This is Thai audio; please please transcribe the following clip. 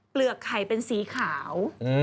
เปลือกไข่เป็นสีขาว